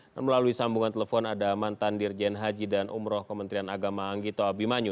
dan melalui sambungan telepon ada mantan dirjen haji dan umroh kementerian agama anggito abimanyu